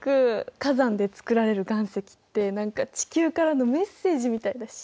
火山でつくられる岩石って何か地球からのメッセージみたいだし。